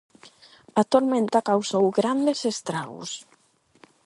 A tormenta causou grandes estragos.